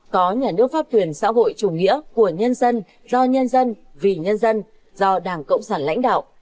có nhà nước pháp quyền xã hội chủ nghĩa của nhân dân do nhân dân vì nhân dân do đảng cộng sản lãnh đạo